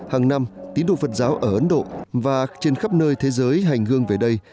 hàng năm tín đồ phật giáo ở ấn độ và trên khắp nơi thế giới hành hương về đây